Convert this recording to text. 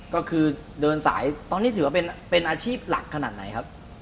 ก็คือเดินสายตอนนี้ถือว่าเป็นอาชีพหลักขนาดไหนครับ